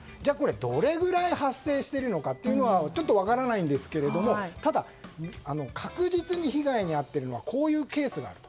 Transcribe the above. どれぐらい発生しているのかちょっと分からないんですけどもただ、確実に被害に遭っているのはこういうケースがある。